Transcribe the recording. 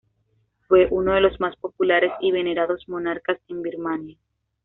Fue uno de los más populares y venerados monarcas en Birmania.